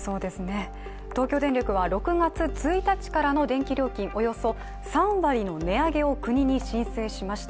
東京電力は６月１日からの電気料金およそ３割の値上げを国に申請しました。